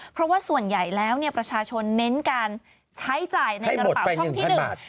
เพราะว่าส่วนใหญ่แล้วเนี่ยประชาชนเน้นการใช้จ่ายในกระเป๋าช่องที่หนึ่ง